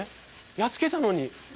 やっつけたのに。